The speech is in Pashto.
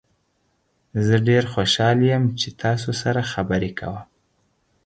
زه ډیر خوشحال یم چې تاسو سره خبرې کوم.